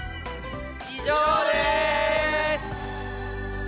以上です！